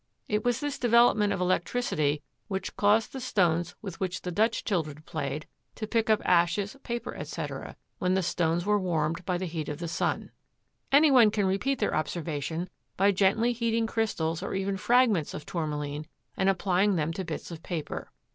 It was this development of electricity which caused the stones with which the Dutch children played, to pick up ashes, paper, etc., when the stones were warmed by the heat of the sun. Anyone can repeat their observation by gently heating crystals or even fragments of Tourmaline and applying them to bits of paper.